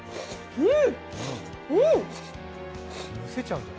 うん！